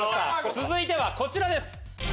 続いてはこちらです。